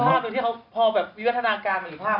ดูที่เขาพอวิวัฒนาการมีอีกภาพ